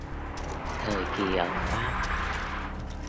Thời kỳ ở Pháp